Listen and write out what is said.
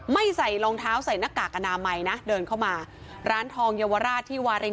ใส่รองเท้าใส่หน้ากากอนามัยนะเดินเข้ามาร้านทองเยาวราชที่วาริน